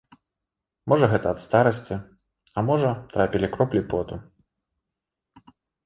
Можа, гэта ад старасці, а можа, трапілі кроплі поту.